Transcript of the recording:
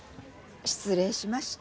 失礼しました。